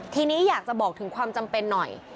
ทีนี้อยากจะบอกถึงความจำเป็นหน่อย